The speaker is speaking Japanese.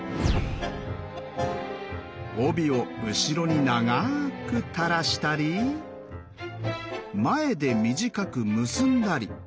帯を後ろにながく垂らしたり前で短く結んだり。